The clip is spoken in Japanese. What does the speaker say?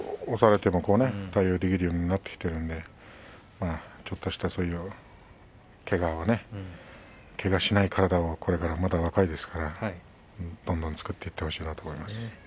押されても対応できるようになってきているのでちょっとした、けがけがをしない体をこれから若いですから、どんどん作っていってほしいと思います。